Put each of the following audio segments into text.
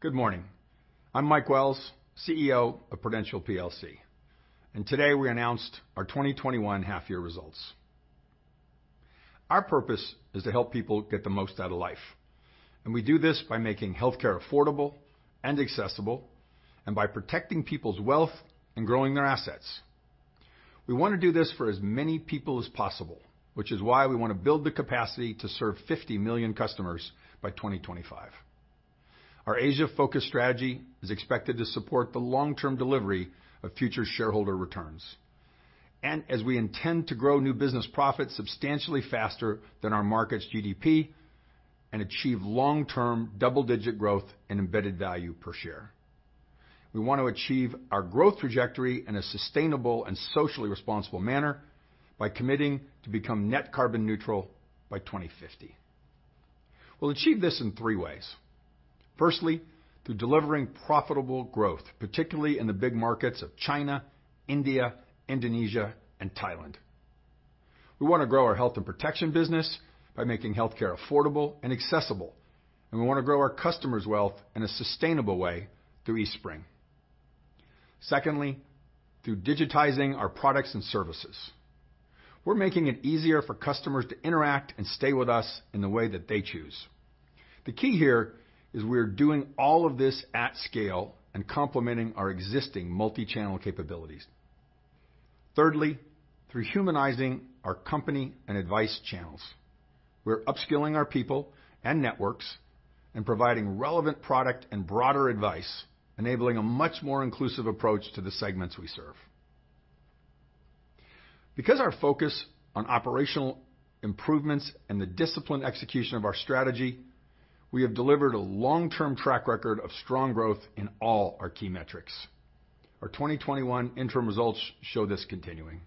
Good morning. I'm Mike Wells, CEO of Prudential plc. Today we announced our 2021 half year results. Our purpose is to help people get the most out of life. We do this by making healthcare affordable and accessible and by protecting people's wealth and growing their assets. We want to do this for as many people as possible, which is why we want to build the capacity to serve 50 million customers by 2025. Our Asia-focused strategy is expected to support the long-term delivery of future shareholder returns. As we intend to grow new business profits substantially faster than our market's GDP and achieve long-term double-digit growth and embedded value per share. We want to achieve our growth trajectory in a sustainable and socially responsible manner by committing to become net carbon neutral by 2050. We'll achieve this in three ways. Firstly, through delivering profitable growth, particularly in the big markets of China, India, Indonesia, and Thailand. We want to grow our health and protection business by making healthcare affordable and accessible, and we want to grow our customers' wealth in a sustainable way through Eastspring. Secondly, through digitizing our products and services. We're making it easier for customers to interact and stay with us in the way that they choose. The key here is we are doing all of this at scale and complementing our existing multi-channel capabilities. Thirdly, through humanizing our company and advice channels. We're upskilling our people and networks and providing relevant product and broader advice, enabling a much more inclusive approach to the segments we serve. Because our focus on operational improvements and the disciplined execution of our strategy, we have delivered a long-term track record of strong growth in all our key metrics. Our 2021 interim results show this continuing.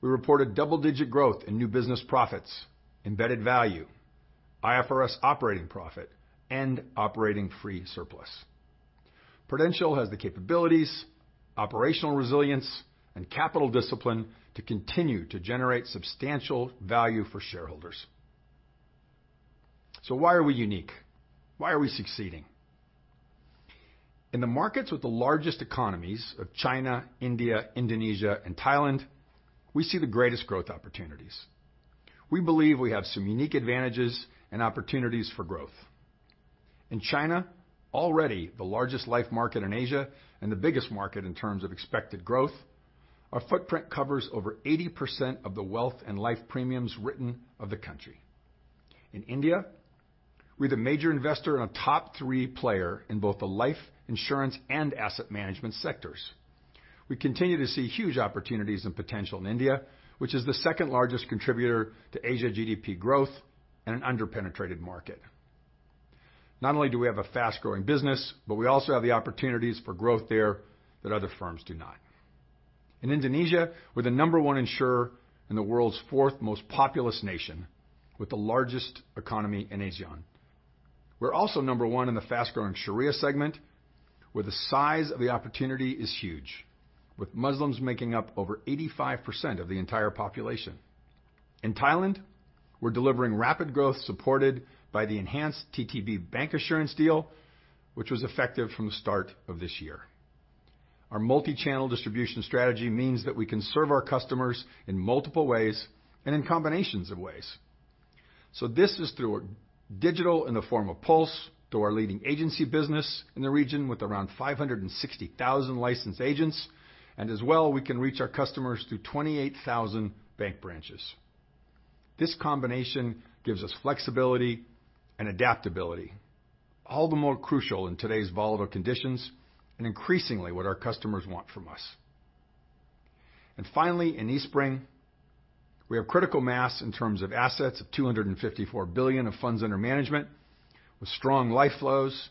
We reported double-digit growth in new business profits, embedded value, IFRS operating profit, and operating free surplus. Prudential has the capabilities, operational resilience, and capital discipline to continue to generate substantial value for shareholders. Why are we unique? Why are we succeeding? In the markets with the largest economies of China, India, Indonesia, and Thailand, we see the greatest growth opportunities. We believe we have some unique advantages and opportunities for growth. In China, already the largest life market in Asia and the biggest market in terms of expected growth, our footprint covers over 80% of the wealth and life premiums written of the country. In India, we're the major investor and a top three player in both the life insurance and asset management sectors. We continue to see huge opportunities and potential in India, which is the second largest contributor to Asia GDP growth and an under-penetrated market. Not only do we have a fast-growing business, but we also have the opportunities for growth there that other firms do not. In Indonesia, we're the number one insurer in the world's fourth most populous nation with the largest economy in ASEAN. We're also number one in the fast-growing Sharia segment, where the size of the opportunity is huge, with Muslims making up over 85% of the entire population. In Thailand, we're delivering rapid growth supported by the enhanced ttb bancassurance deal, which was effective from the start of this year. Our multi-channel distribution strategy means that we can serve our customers in multiple ways and in combinations of ways. This is through digital in the form of Pulse, through our leading agency business in the region with around 560,000 licensed agents, and as well, we can reach our customers through 28,000 bank branches. This combination gives us flexibility and adaptability, all the more crucial in today's volatile conditions and increasingly what our customers want from us. Finally, in Eastspring, we have critical mass in terms of assets of $254 billion of funds under management with strong life flows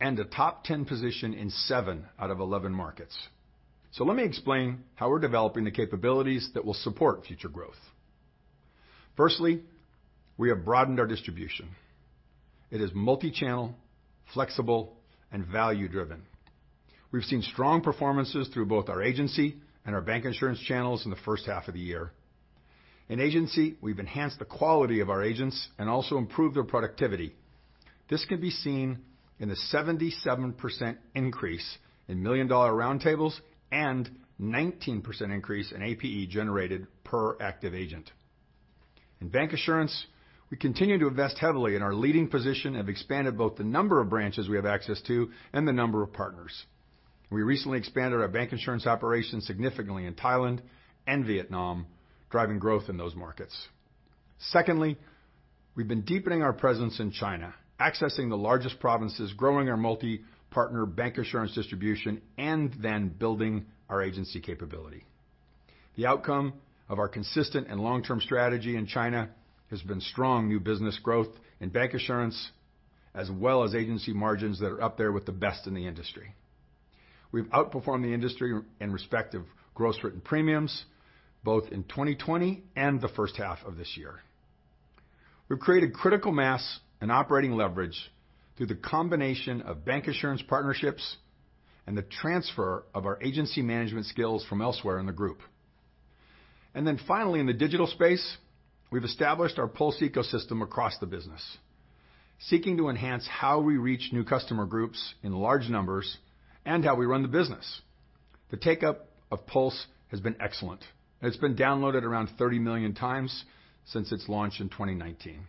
and a top 10 position in seven out of 11 markets. Let me explain how we're developing the capabilities that will support future growth. Firstly, we have broadened our distribution. It is multi-channel, flexible, and value-driven. We've seen strong performances through both our agency and our bancassurance channels in the first half of the year. In agency, we've enhanced the quality of our agents and also improved their productivity. This can be seen in the 77% increase in Million Dollar Round Table and 19% increase in APE generated per active agent. In bancassurance, we continue to invest heavily in our leading position and have expanded both the number of branches we have access to and the number of partners. We recently expanded our bancassurance operations significantly in Thailand and Vietnam, driving growth in those markets. Secondly, we've been deepening our presence in China, accessing the largest provinces, growing our multi-partner bancassurance distribution, and then building our agency capability. The outcome of our consistent and long-term strategy in China has been strong new business growth in bancassurance, as well as agency margins that are up there with the best in the industry. We've outperformed the industry in respective gross written premiums, both in 2020 and the first half of this year. We've created critical mass and operating leverage through the combination of bancassurance partnerships and the transfer of our agency management skills from elsewhere in the group. Finally, in the digital space, we've established our Pulse ecosystem across the business, seeking to enhance how we reach new customer groups in large numbers and how we run the business. The take-up of Pulse has been excellent, and it's been downloaded around 30 million times since its launch in 2019.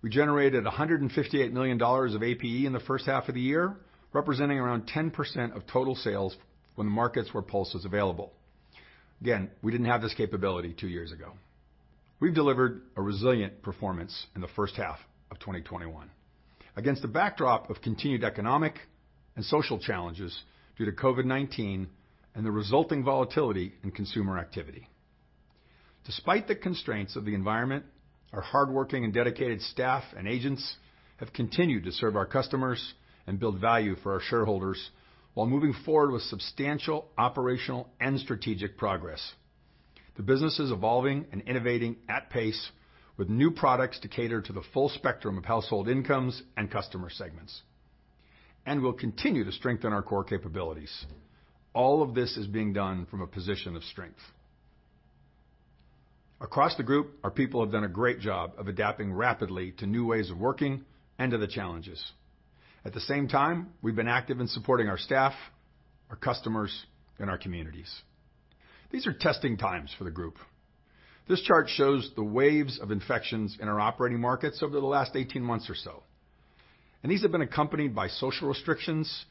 We generated $158 million of APE in the first half of the year, representing around 10% of total sales when the markets where Pulse was available. We didn't have this capability two years ago. We've delivered a resilient performance in the first half of 2021 against the backdrop of continued economic and social challenges due to COVID-19 and the resulting volatility in consumer activity. Despite the constraints of the environment, our hardworking and dedicated staff and agents have continued to serve our customers and build value for our shareholders while moving forward with substantial operational and strategic progress. The business is evolving and innovating at pace with new products to cater to the full spectrum of household incomes and customer segments. We'll continue to strengthen our core capabilities. All of this is being done from a position of strength. Across the group, our people have done a great job of adapting rapidly to new ways of working and to the challenges. At the same time, we've been active in supporting our staff, our customers, and our communities. These are testing times for the group. This chart shows the waves of infections in our operating markets over the last 18 months or so, and these have been accompanied by social restrictions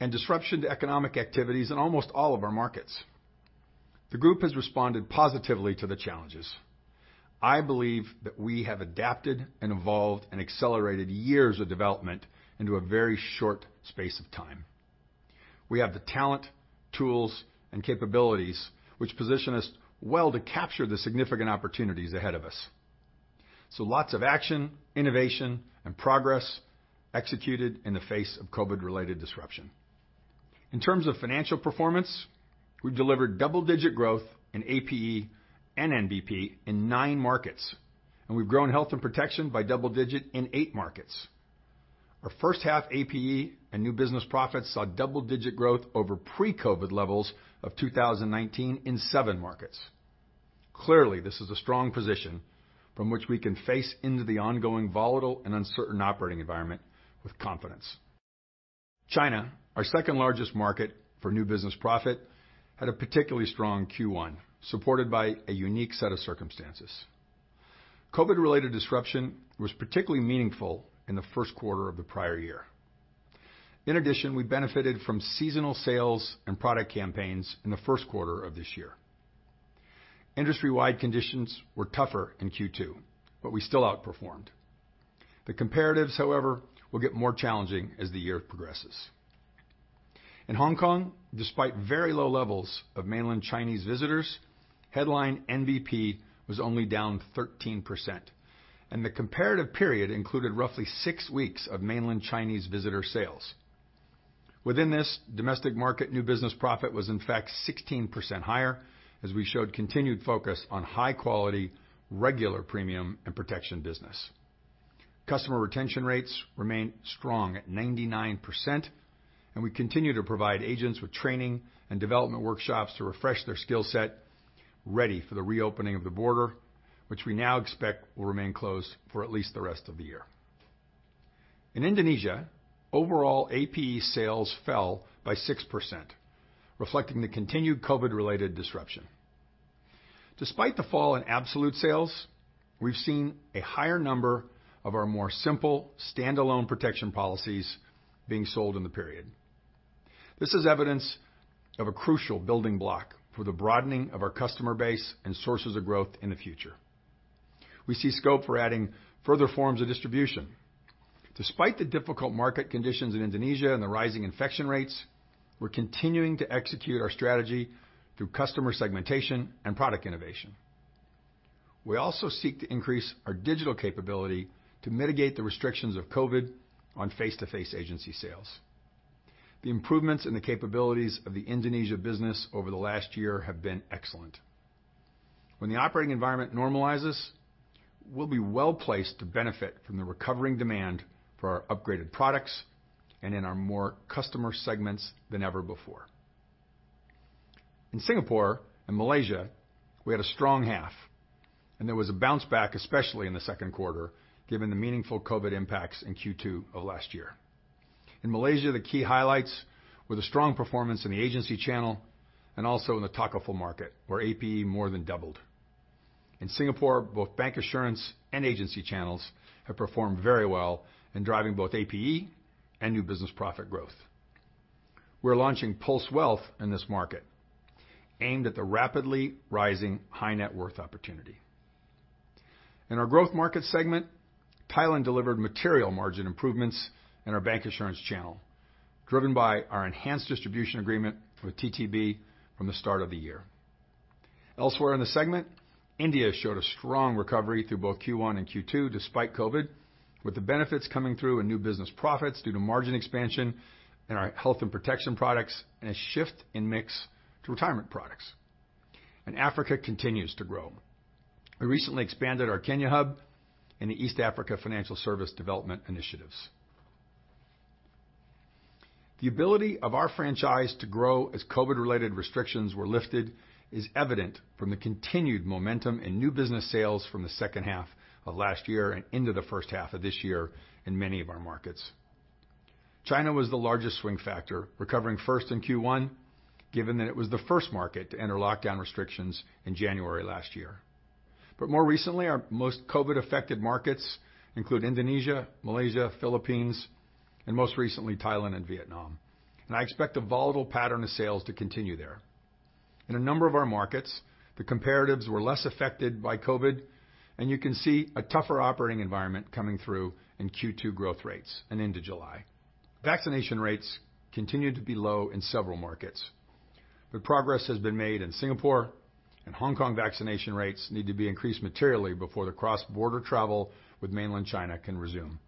and disruption to economic activities in almost all of our markets. The group has responded positively to the challenges. I believe that we have adapted and evolved and accelerated years of development into a very short space of time. We have the talent, tools, and capabilities which position us well to capture the significant opportunities ahead of us. Lots of action, innovation, and progress executed in the face of COVID-related disruption. In terms of financial performance, we've delivered double-digit growth in APE and NBP in nine markets, and we've grown health and protection by double-digit in eight markets. Our first half APE and new business profits saw double-digit growth over pre-COVID levels of 2019 in seven markets. Clearly, this is a strong position from which we can face into the ongoing volatile and uncertain operating environment with confidence. China, our second largest market for new business profit, had a particularly strong Q1, supported by a unique set of circumstances. COVID-related disruption was particularly meaningful in the first quarter of the prior year. In addition, we benefited from seasonal sales and product campaigns in the first quarter of this year. Industry-wide conditions were tougher in Q2, but we still outperformed. The comparatives, however, will get more challenging as the year progresses. In Hong Kong, despite very low levels of mainland Chinese visitors, headline NBP was only down 13%, and the comparative period included roughly six weeks of mainland Chinese visitor sales. Within this domestic market, new business profit was in fact 16% higher as we showed continued focus on high quality, regular premium, and protection business. Customer retention rates remain strong at 99%. We continue to provide agents with training and development workshops to refresh their skillset ready for the reopening of the border, which we now expect will remain closed for at least the rest of the year. In Indonesia, overall APE sales fell by 6%, reflecting the continued COVID-related disruption. Despite the fall in absolute sales, we've seen a higher number of our more simple standalone protection policies being sold in the period. This is evidence of a crucial building block for the broadening of our customer base and sources of growth in the future. We see scope for adding further forms of distribution. Despite the difficult market conditions in Indonesia and the rising infection rates, we're continuing to execute our strategy through customer segmentation and product innovation. We also seek to increase our digital capability to mitigate the restrictions of COVID on face-to-face agency sales. The improvements in the capabilities of the Indonesia business over the last year have been excellent. When the operating environment normalizes, we'll be well-placed to benefit from the recovering demand for our upgraded products and in our more customer segments than ever before. In Singapore and Malaysia, we had a strong half, and there was a bounce back, especially in the 2nd quarter, given the meaningful COVID impacts in Q2 of last year. In Malaysia, the key highlights were the strong performance in the agency channel and also in the takaful market, where APE more than doubled. In Singapore, both bancassurance and agency channels have performed very well in driving both APE and new business profit growth. We're launching Pulse Wealth in this market, aimed at the rapidly rising high net worth opportunity. In our growth market segment, Thailand delivered material margin improvements in our bancassurance channel, driven by our enhanced distribution agreement with ttb from the start of the year. Elsewhere in the segment, India showed a strong recovery through both Q1 and Q2 despite COVID, with the benefits coming through in new business profits due to margin expansion in our health and protection products and a shift in mix to retirement products. Africa continues to grow. We recently expanded our Kenya hub in the East Africa Financial Service Development Initiatives. The ability of our franchise to grow as COVID-related restrictions were lifted is evident from the continued momentum in new business sales from the second half of last year and into the first half of this year in many of our markets. China was the largest swing factor, recovering first in Q1, given that it was the first market to enter lockdown restrictions in January last year. More recently, our most COVID-affected markets include Indonesia, Malaysia, Philippines, and most recently, Thailand and Vietnam. I expect the volatile pattern of sales to continue there. In a number of our markets, the comparatives were less affected by COVID, and you can see a tougher operating environment coming through in Q2 growth rates and into July. Vaccination rates continue to be low in several markets, but progress has been made in Singapore and Hong Kong vaccination rates need to be increased materially before the cross-border travel with mainland China can resume.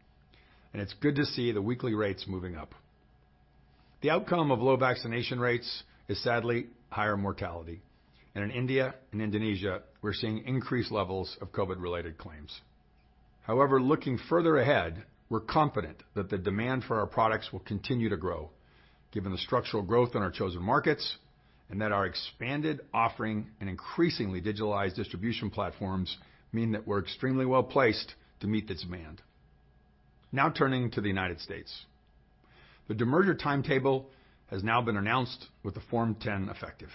It's good to see the weekly rates moving up. The outcome of low vaccination rates is sadly higher mortality. In India and Indonesia, we're seeing increased levels of COVID-related claims. However, looking further ahead, we're confident that the demand for our products will continue to grow, given the structural growth in our chosen markets, and that our expanded offering and increasingly digitalized distribution platforms mean that we're extremely well-placed to meet the demand. Now turning to the United States. The demerger timetable has now been announced with the Form 10 effective.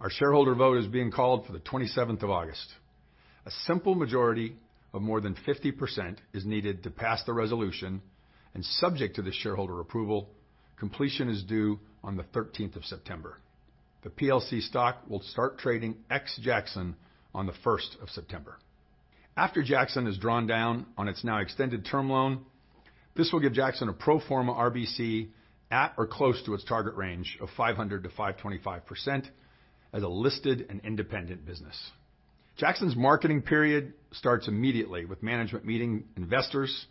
Our shareholder vote is being called for the 27th of August. A simple majority of more than 50% is needed to pass the resolution, and subject to the shareholder approval, completion is due on the 13th of September. The PLC stock will start trading ex Jackson on the 1st of September. After Jackson has drawn down on its now extended term loan, this will give Jackson a pro forma RBC at or close to its target range of 500%-525% as a listed and independent business. Jackson's marketing period starts immediately with management meeting investors,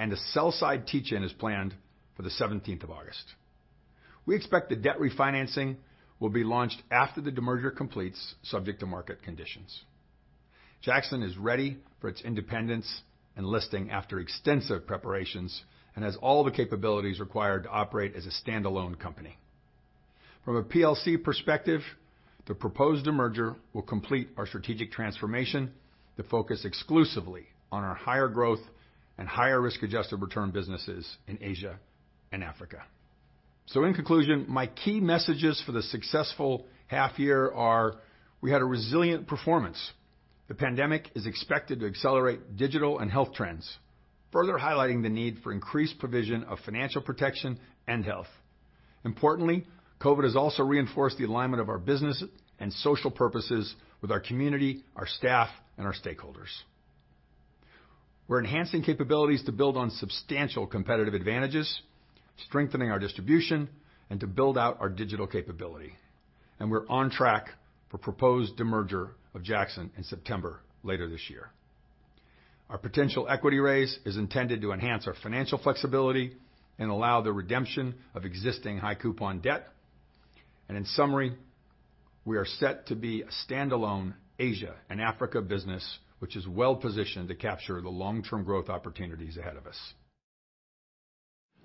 and a sell-side teach-in is planned for the 17th of August. We expect the debt refinancing will be launched after the demerger completes, subject to market conditions. Jackson is ready for its independence and listing after extensive preparations and has all the capabilities required to operate as a standalone company. From a PLC perspective, the proposed demerger will complete our strategic transformation to focus exclusively on our higher growth and higher risk-adjusted return businesses in Asia and Africa. In conclusion, my key messages for the successful half year are, we had a resilient performance. The pandemic is expected to accelerate digital and health trends, further highlighting the need for increased provision of financial protection and health. Importantly, COVID has also reinforced the alignment of our business and social purposes with our community, our staff, and our stakeholders. We're enhancing capabilities to build on substantial competitive advantages, strengthening our distribution, and to build out our digital capability. We're on track for proposed demerger of Jackson in September later this year. Our potential equity raise is intended to enhance our financial flexibility and allow the redemption of existing high coupon debt. In summary, we are set to be a standalone Asia and Africa business, which is well-positioned to capture the long-term growth opportunities ahead of us.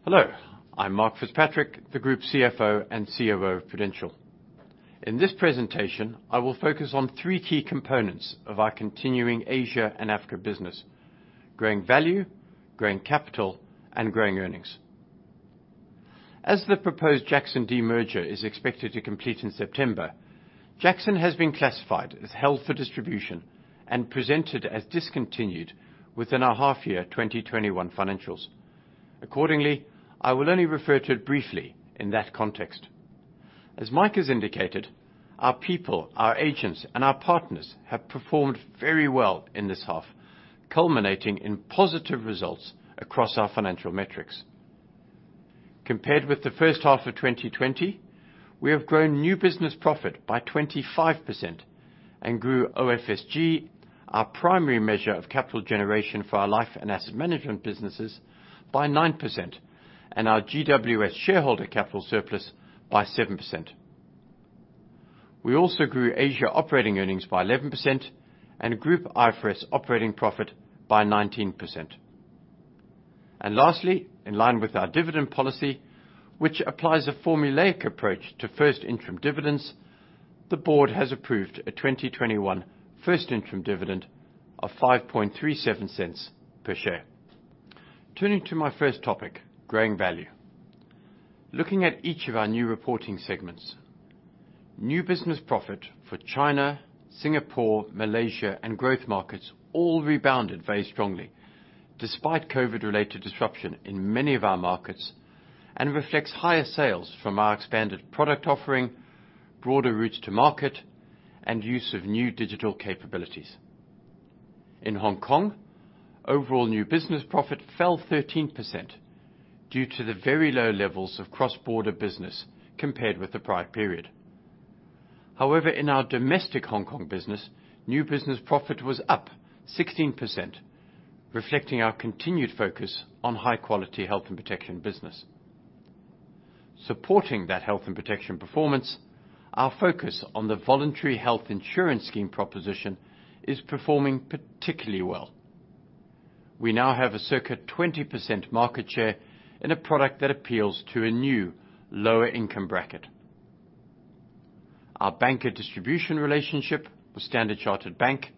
Hello, I'm Mark FitzPatrick, the Group CFO and COO of Prudential. In this presentation, I will focus on three key components of our continuing Asia and Africa business: growing value, growing capital, and growing earnings. As the proposed Jackson demerger is expected to complete in September, Jackson has been classified as held for distribution and presented as discontinued within our half year 2021 financials. Accordingly, I will only refer to it briefly in that context. As Mike has indicated, our people, our agents, and our partners have performed very well in this half, culminating in positive results across our financial metrics. Compared with the first half of 2020, we have grown new business profit by 25% and grew OFSG, our primary measure of capital generation for our life and asset management businesses, by 9%, and our GWS shareholder capital surplus by 7%. We also grew Asia operating earnings by 11% and Group IFRS operating profit by 19%. Lastly, in line with our dividend policy, which applies a formulaic approach to first interim dividends, the board has approved a 2021 first interim dividend of $0.0537 per share. Turning to my first topic, growing value. Looking at each of our new reporting segments, new business profit for China, Singapore, Malaysia, and growth markets all rebounded very strongly despite COVID-related disruption in many of our markets, and reflects higher sales from our expanded product offering, broader routes to market, and use of new digital capabilities. In Hong Kong, overall new business profit fell 13% due to the very low levels of cross-border business compared with the prior period. In our domestic Hong Kong business, new business profit was up 16%, reflecting our continued focus on high quality health and protection business. Supporting that health and protection performance, our focus on the Voluntary Health Insurance Scheme proposition is performing particularly well. We now have a circa 20% market share in a product that appeals to a new lower income bracket. Our banca distribution relationship with Standard Chartered Bank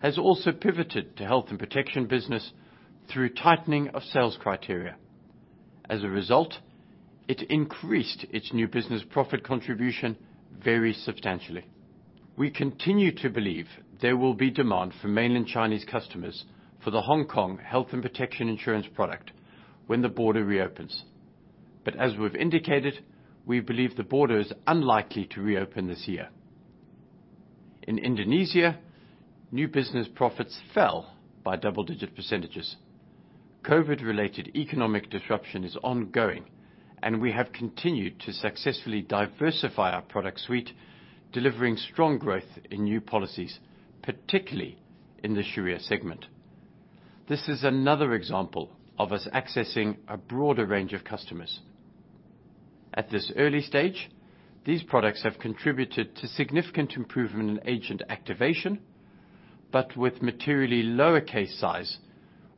has also pivoted to health and protection business through tightening of sales criteria. As a result, it increased its new business profit contribution very substantially. We continue to believe there will be demand for mainland Chinese customers for the Hong Kong health and protection insurance product when the border reopens. As we've indicated, we believe the border is unlikely to reopen this year. In Indonesia, new business profits fell by double-digit percentages. COVID-related economic disruption is ongoing. We have continued to successfully diversify our product suite, delivering strong growth in new policies, particularly in the Sharia segment. This is another example of us accessing a broader range of customers. At this early stage, these products have contributed to significant improvement in agent activation, with materially lower case size,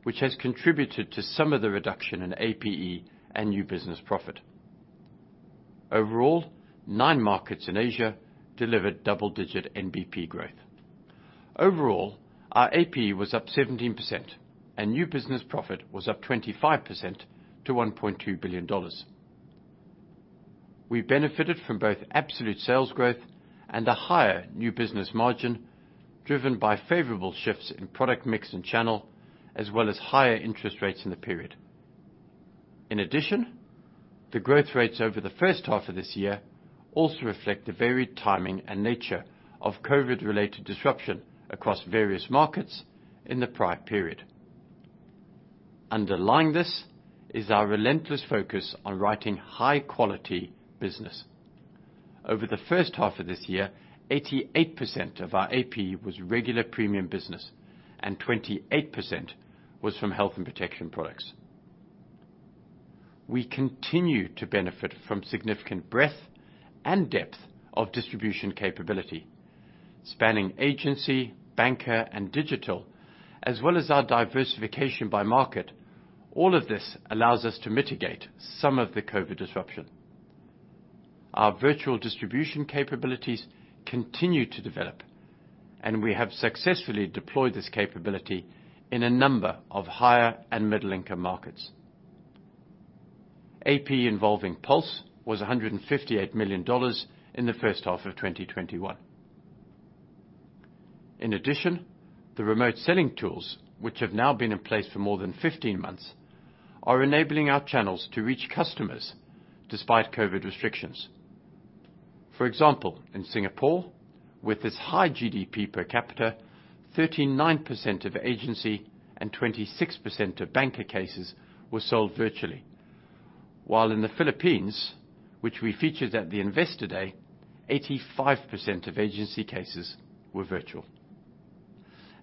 which has contributed to some of the reduction in APE and new business profit. Overall, nine markets in Asia delivered double-digit NBP growth. Overall, our APE was up 17% and new business profit was up 25% to $1.2 billion. We benefited from both absolute sales growth and a higher new business margin driven by favorable shifts in product mix and channel, as well as higher interest rates in the period. In addition, the growth rates over the first half of this year also reflect the varied timing and nature of COVID-related disruption across various markets in the prior period. Underlying this is our relentless focus on writing high-quality business. Over the first half of this year, 88% of our APE was regular premium business and 28% was from health and protection products. We continue to benefit from significant breadth and depth of distribution capability, spanning agency, banker, and digital, as well as our diversification by market. All of this allows us to mitigate some of the COVID disruption. Our virtual distribution capabilities continue to develop, and we have successfully deployed this capability in a number of higher and middle-income markets. APE involving Pulse was $158 million in the first half of 2021. In addition, the remote selling tools, which have now been in place for more than 15 months, are enabling our channels to reach customers despite COVID restrictions. For example, in Singapore, with its high GDP per capita, 39% of agency and 26% of banker cases were sold virtually. While in the Philippines, which we featured at the Investor Day, 85% of agency cases were virtual.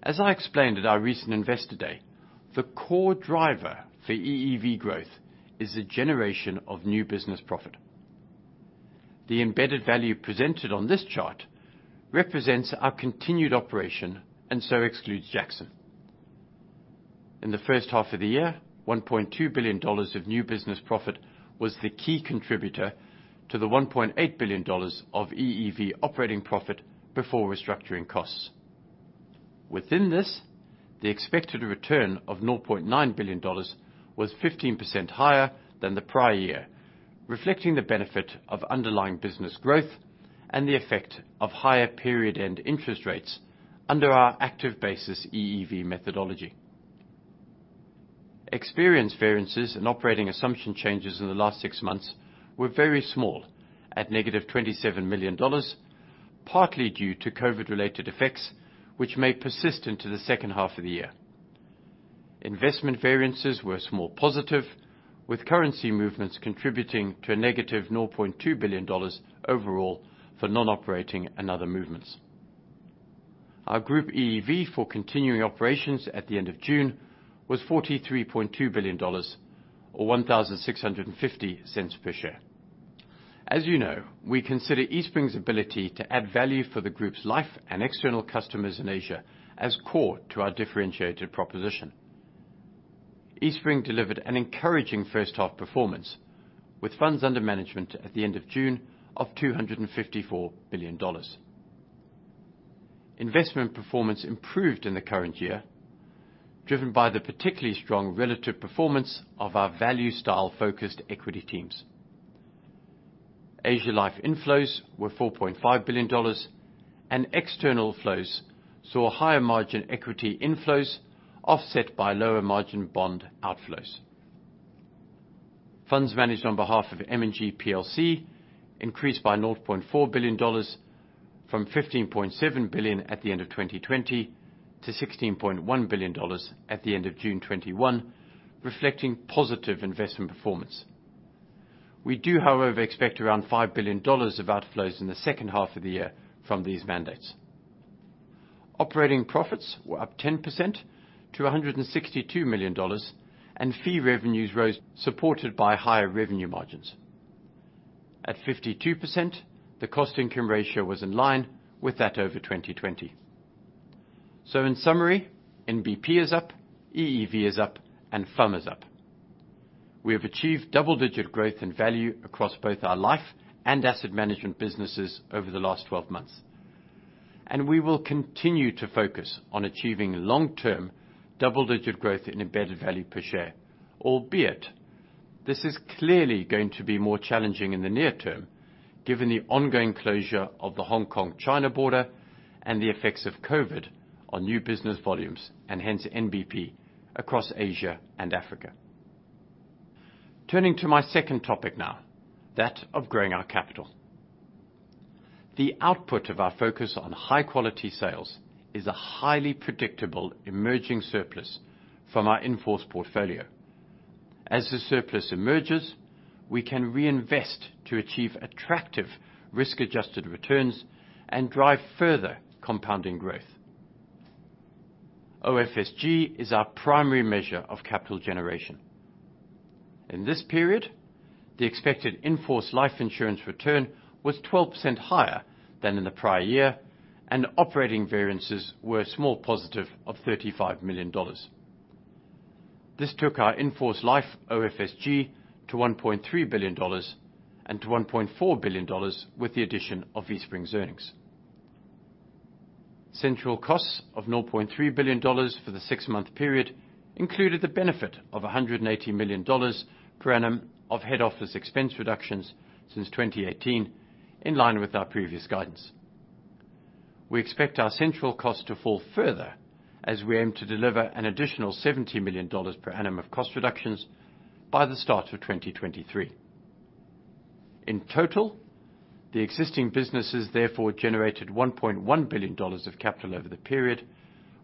As I explained at our recent Investor Day, the core driver for EEV growth is the generation of new business profit. The embedded value presented on this chart represents our continued operation and so excludes Jackson. In the first half of the year, $1.2 billion of new business profit was the key contributor to the $1.8 billion of EEV operating profit before restructuring costs. Within this, the expected return of $0.9 billion was 15% higher than the prior year, reflecting the benefit of underlying business growth and the effect of higher period end interest rates under our active basis EEV methodology. Experience variances and operating assumption changes in the last six months were very small, at negative $27 million, partly due to COVID-related effects, which may persist into the second half of the year. Investment variances were small positive, with currency movements contributing to a negative $0.2 billion overall for non-operating and other movements. Our group EEV for continuing operations at the end of June was $43.2 billion, or $16.50 per share. As you know, we consider Eastspring's ability to add value for the group's life and external customers in Asia as core to our differentiated proposition. Eastspring delivered an encouraging first half performance with funds under management at the end of June of $254 billion. Investment performance improved in the current year, driven by the particularly strong relative performance of our value style focused equity teams. Asia Life inflows were $4.5 billion and external flows saw higher margin equity inflows offset by lower margin bond outflows. Funds managed on behalf of M&G plc increased by $0.4 billion from $15.7 billion at the end of 2020 to $16.1 billion at the end of June 2021, reflecting positive investment performance. We do, however, expect around $5 billion of outflows in the second half of the year from these mandates. Operating profits were up 10% to $162 million, and fee revenues rose, supported by higher revenue margins. At 52%, the cost-income ratio was in line with that over 2020. In summary, NBP is up, EEV is up, and FUM is up. We have achieved double-digit growth and value across both our life and asset management businesses over the last 12 months. We will continue to focus on achieving long-term double-digit growth in embedded value per share, albeit this is clearly going to be more challenging in the near term, given the ongoing closure of the Hong Kong-China border and the effects of COVID on new business volumes, and hence NBP across Asia and Africa. Turning to my second topic now, that of growing our capital. The output of our focus on high-quality sales is a highly predictable emerging surplus from our in-force portfolio. The surplus emerges, we can reinvest to achieve attractive risk-adjusted returns and drive further compounding growth. OFSG is our primary measure of capital generation. In this period, the expected in-force life insurance return was 12% higher than in the prior year, and operating variances were a small positive of $35 million. This took our in-force life OFSG to $1.3 billion and to $1.4 billion with the addition of Eastspring's earnings. Central costs of $0.3 billion for the six month period included the benefit of $180 million per annum of head office expense reductions since 2018, in line with our previous guidance. We expect our central cost to fall further as we aim to deliver an additional $70 million per annum of cost reductions by the start of 2023. In total, the existing businesses therefore generated $1.1 billion of capital over the period,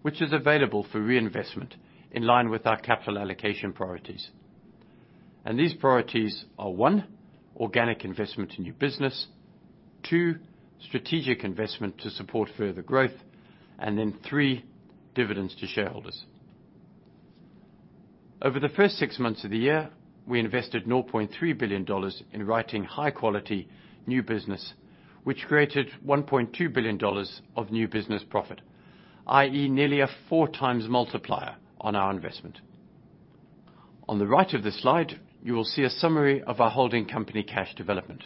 which is available for reinvestment in line with our capital allocation priorities. These priorities are, one, organic investment in new business, two, strategic investment to support further growth, then, three, dividends to shareholders. Over the first six months of the year, we invested $0.3 billion in writing high-quality new business, which created $1.2 billion of new business profit, i.e., nearly a four times multiplier on our investment. On the right of this slide, you will see a summary of our holding company cash development.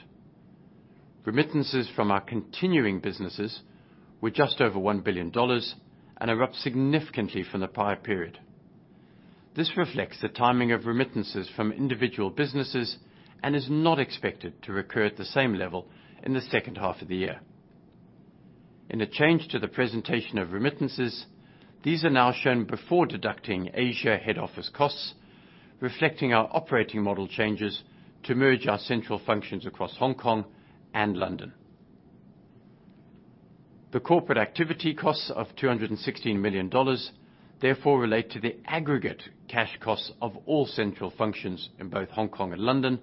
Remittances from our continuing businesses were just over $1 billion and are up significantly from the prior period. This reflects the timing of remittances from individual businesses and is not expected to recur at the same level in the second half of the year. In a change to the presentation of remittances, these are now shown before deducting Asia head office costs, reflecting our operating model changes to merge our central functions across Hong Kong and London. The corporate activity costs of $216 million therefore relate to the aggregate cash costs of all central functions in both Hong Kong and London,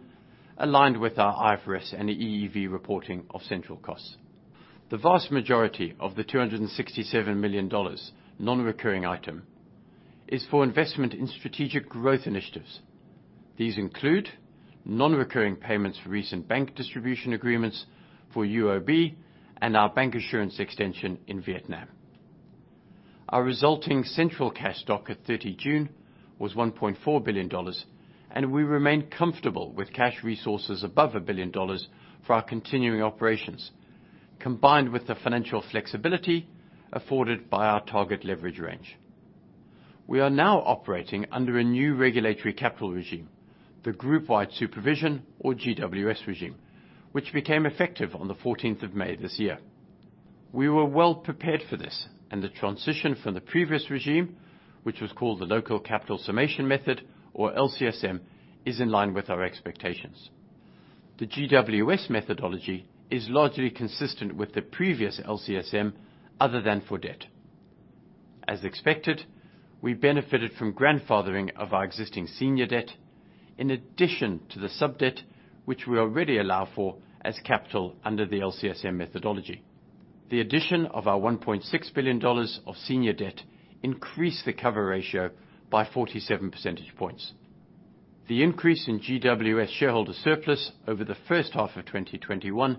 aligned with our IFRS and the EEV reporting of central costs. The vast majority of the $267 million non-recurring item is for investment in strategic growth initiatives. These include non-recurring payments for recent bank distribution agreements for UOB and our bank insurance extension in Vietnam. Our resulting central cash stock at 30 June was $1.4 billion, and we remain comfortable with cash resources above $1 billion for our continuing operations, combined with the financial flexibility afforded by our target leverage range. We are now operating under a new regulatory capital regime, the Group-wide Supervision, or GWS regime, which became effective on the 14th of May this year. We were well prepared for this, and the transition from the previous regime, which was called the Local Capital Summation Method, or LCSM, is in line with our expectations. The GWS methodology is largely consistent with the previous LCSM other than for debt. As expected, we benefited from grandfathering of our existing senior debt in addition to the sub-debt, which we already allow for as capital under the LCSM methodology. The addition of our $1.6 billion of senior debt increased the cover ratio by 47 percentage points. The increase in GWS shareholder surplus over the first half of 2021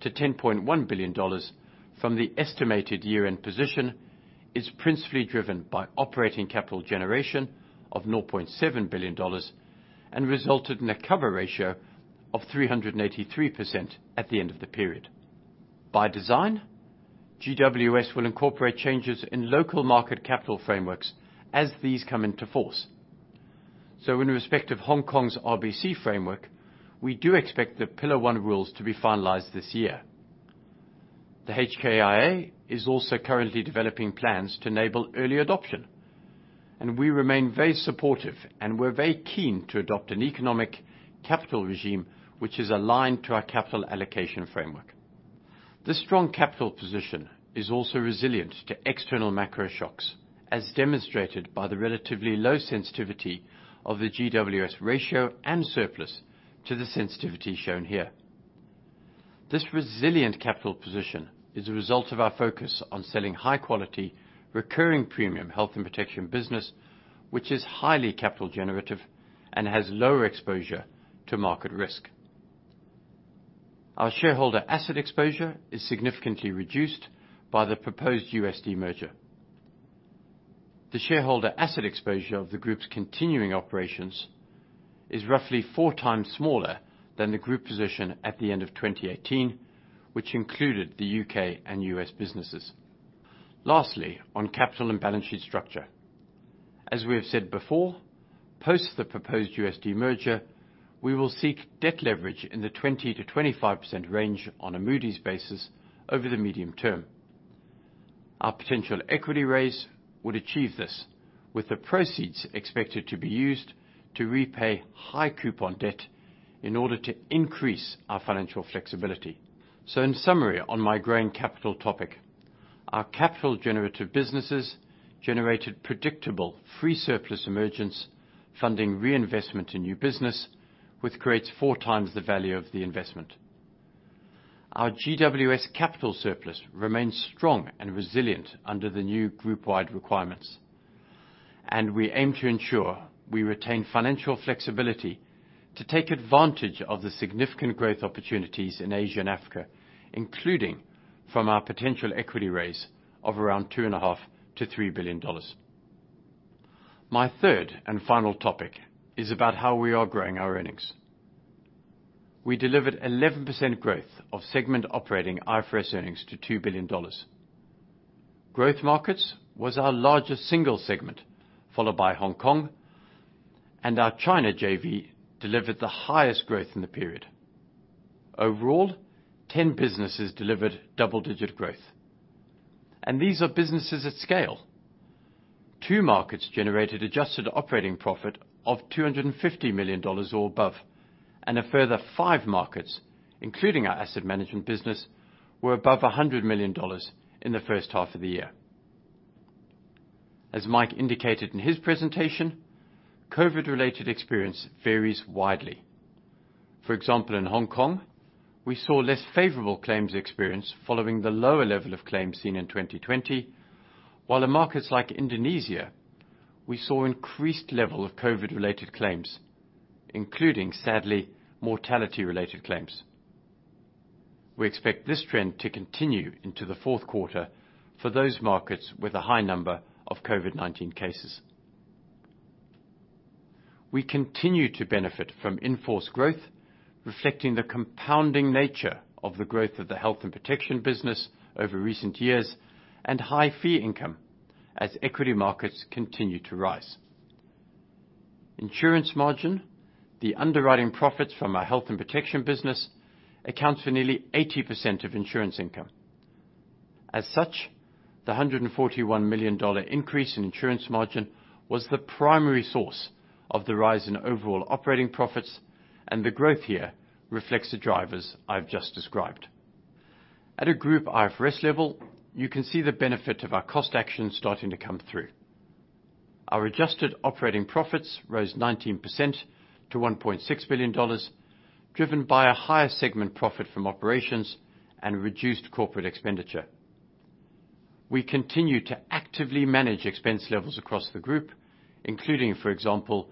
to $10.1 billion from the estimated year-end position is principally driven by operating capital generation of $0.7 billion and resulted in a cover ratio of 383% at the end of the period. By design, GWS will incorporate changes in local market capital frameworks as these come into force. In respect of Hong Kong's RBC framework, we do expect the Pillar 1 rules to be finalized this year. The HKIA is also currently developing plans to enable early adoption, and we remain very supportive, and we're very keen to adopt an economic capital regime which is aligned to our capital allocation framework. This strong capital position is also resilient to external macro shocks, as demonstrated by the relatively low sensitivity of the GWS ratio and surplus to the sensitivity shown here. This resilient capital position is a result of our focus on selling high-quality, recurring premium health and protection business, which is highly capital generative and has lower exposure to market risk. Our shareholder asset exposure is significantly reduced by the proposed US demerger. The shareholder asset exposure of the Group's continuing operations is roughly four times smaller than the Group position at the end of 2018, which included the U.K. and U.S. businesses. Lastly, on capital and balance sheet structure. As we have said before, post the proposed US demerger, we will seek debt leverage in the 20%-25% range on a Moody's basis over the medium term. Our potential equity raise would achieve this, with the proceeds expected to be used to repay high coupon debt in order to increase our financial flexibility. In summary, on my growing capital topic, our capital generative businesses generated predictable, free surplus emergence, funding reinvestment in new business, which creates four times the value of the investment. Our GWS capital surplus remains strong and resilient under the new group wide requirements. We aim to ensure we retain financial flexibility to take advantage of the significant growth opportunities in Asia and Africa, including from our potential equity raise of around $2.5 billion-$3 billion. My third and final topic is about how we are growing our earnings. We delivered 11% growth of segment operating IFRS earnings to $2 billion. Growth markets was our largest single segment, followed by Hong Kong, and our China JV delivered the highest growth in the period. Overall, 10 businesses delivered double digit growth. These are businesses at scale. Two markets generated adjusted operating profit of $250 million or above, and a further five markets, including our asset management business, were above $100 million in the first half of the year. As Mike indicated in his presentation, COVID related experience varies widely. For example, in Hong Kong, we saw less favorable claims experience following the lower level of claims seen in 2020, while in markets like Indonesia, we saw increased level of COVID related claims, including sadly, mortality related claims. We expect this trend to continue into the fourth quarter for those markets with a high number of COVID-19 cases. We continue to benefit from in-force growth, reflecting the compounding nature of the growth of the health and protection business over recent years, and high fee income as equity markets continue to rise. Insurance margin, the underwriting profits from our health and protection business, accounts for nearly 80% of insurance income. As such, the $141 million increase in insurance margin was the primary source of the rise in overall operating profits, and the growth here reflects the drivers I've just described. At a group IFRS level, you can see the benefit of our cost action starting to come through. Our adjusted operating profits rose 19% to $1.6 billion, driven by a higher segment profit from operations and reduced corporate expenditure. We continue to actively manage expense levels across the group, including, for example,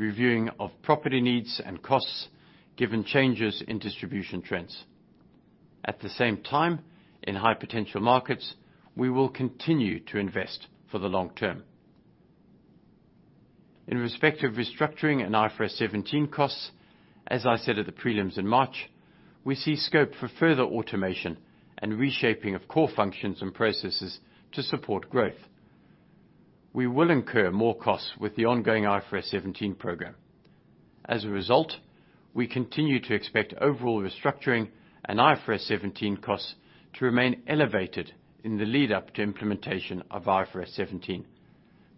reviewing of property needs and costs given changes in distribution trends. At the same time, in high potential markets, we will continue to invest for the long term. In respect of restructuring and IFRS 17 costs, as I said at the prelims in March, we see scope for further automation and reshaping of core functions and processes to support growth. We will incur more costs with the ongoing IFRS 17 program. We continue to expect overall restructuring and IFRS 17 costs to remain elevated in the lead up to implementation of IFRS 17.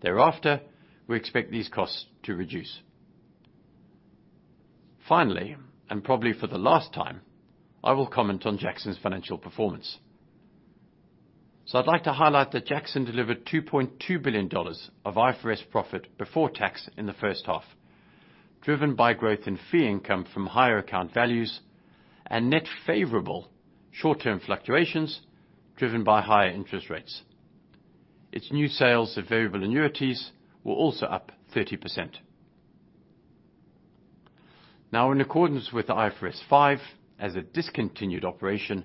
Thereafter, we expect these costs to reduce. Probably for the last time, I will comment on Jackson's financial performance. I'd like to highlight that Jackson delivered $2.2 billion of IFRS profit before tax in the first half, driven by growth in fee income from higher account values and net favorable short-term fluctuations driven by higher interest rates. Its new sales of variable annuities were also up 30%. In accordance with IFRS 5, as a discontinued operation,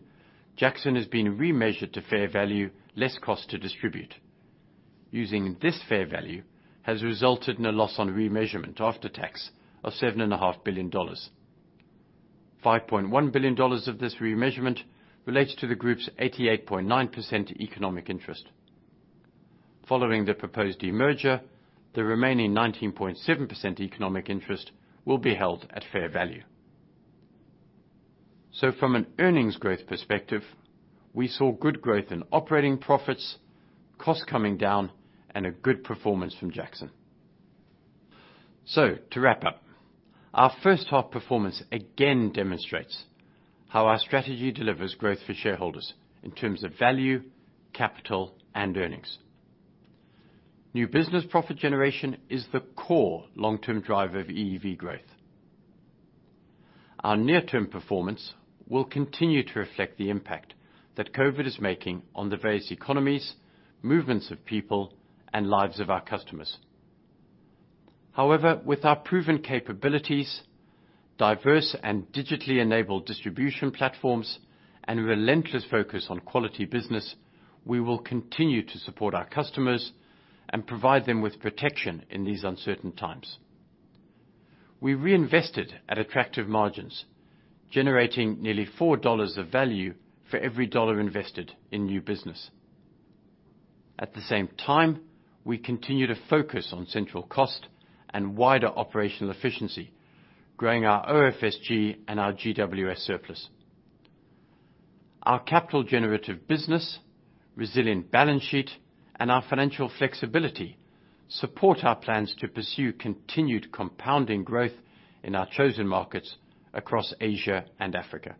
Jackson is being remeasured to fair value less cost to distribute. Using this fair value has resulted in a loss on remeasurement after tax of $7.5 billion. $5.1 billion of this remeasurement relates to the group's 88.9% economic interest. Following the proposed demerger, the remaining 19.7% economic interest will be held at fair value. From an earnings growth perspective, we saw good growth in operating profits, costs coming down, and a good performance from Jackson. To wrap up, our first half performance again demonstrates how our strategy delivers growth for shareholders in terms of value, capital, and earnings. New business profit generation is the core long-term driver of EEV growth. Our near-term performance will continue to reflect the impact that COVID is making on the various economies, movements of people, and lives of our customers. However, with our proven capabilities, diverse and digitally enabled distribution platforms, and relentless focus on quality business, we will continue to support our customers and provide them with protection in these uncertain times. We reinvested at attractive margins, generating nearly $4 of value for every dollar invested in new business. At the same time, we continue to focus on central cost and wider operational efficiency, growing our OFSG and our GWS surplus. Our capital generative business, resilient balance sheet, and our financial flexibility support our plans to pursue continued compounding growth in our chosen markets across Asia and Africa.